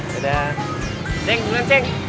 ceng duluan ceng